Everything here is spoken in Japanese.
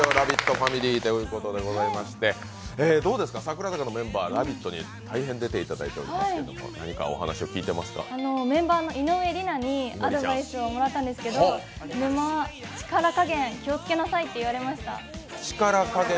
ファミリーということでございまして櫻坂のメンバー、「ラヴィット！」に大変出ていただいていますけどメンバーの井上梨名にアドバイスをもらったんですけど力加減、気をつけなさいって言われました。